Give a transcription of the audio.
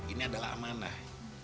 ini adalah amanah